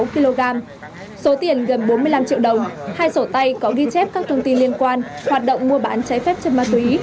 một sáu kg số tiền gần bốn mươi năm triệu đồng hai sổ tay có ghi chép các thông tin liên quan hoạt động mua bán cháy phép chất ma túy